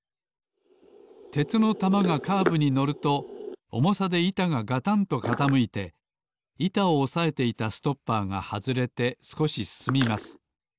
鉄の玉がカーブにのるとおもさでいたががたんとかたむいていたをおさえていたストッパーがはずれてすこしすすみます。